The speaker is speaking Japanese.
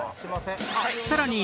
さらに